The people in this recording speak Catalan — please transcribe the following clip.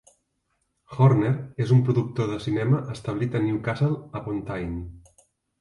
Horner és un productor de cinema establit a Newcastle upon Tyne.